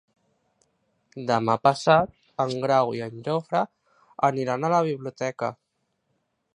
Demà passat en Grau i en Jofre aniran a la biblioteca.